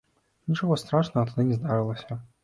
Нічога страшнага тады не здарылася.